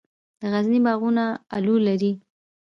د غزني باغونه الو لري.